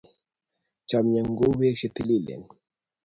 Chamyengung ko u pek che tililen